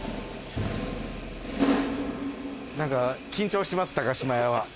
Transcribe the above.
何か緊張します高島屋は。